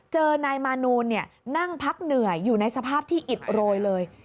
เจอนายมานูนนั่งพักเหนื่อยอยู่ในสภาพที่อิดโรยเลย